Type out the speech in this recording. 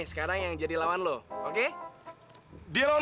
segala ikan terik